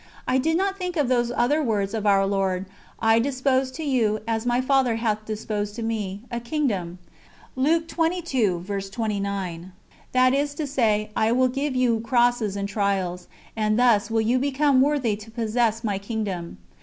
I did not think of those other words of Our Lord: "I dispose to you, as my Father hath disposed to Me, a Kingdom." That is to say, I will give you crosses and trials, and thus will you become worthy to possess My Kingdom.